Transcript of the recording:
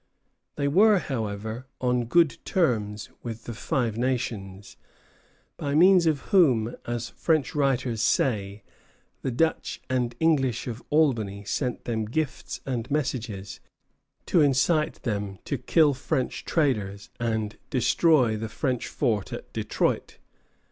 They were, however, on good terms with the Five Nations, by means of whom, as French writers say, the Dutch and English of Albany sent them gifts and messages to incite them to kill French traders and destroy the French fort at Detroit.